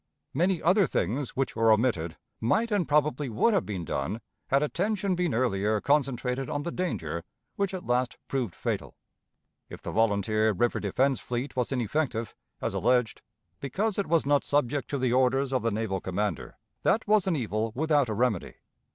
Many other things which were omitted might and probably would have been done had attention been earlier concentrated on the danger which at last proved fatal. If the volunteer river defense fleet was ineffective, as alleged, because it was not subject to the orders of the naval commander, that was an evil without a remedy.